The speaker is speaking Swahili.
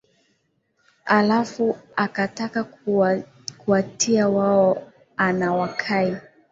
halafu anakata kuwatii wao anawakai